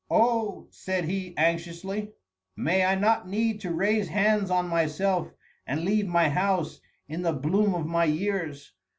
"Oh," said he, anxiously, "may I not need to raise hands on myself and leave my house in the bloom of my years!